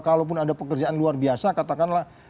kalaupun ada pekerjaan luar biasa katakanlah